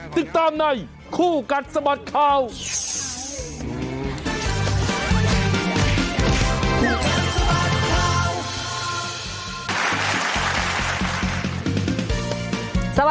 ติดตามในคู่กัดสะบัดข่าว